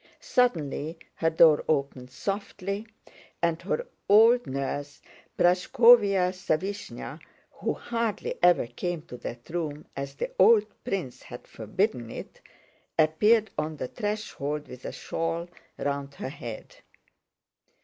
Suddenly her door opened softly and her old nurse, Praskóvya Sávishna, who hardly ever came to that room as the old prince had forbidden it, appeared on the threshold with a shawl round her head.